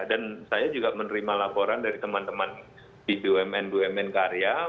dan saya juga menerima laporan dari teman teman di bumn bumn karya